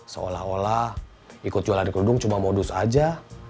seolah olah ikut jualan kerudung cuma modus aja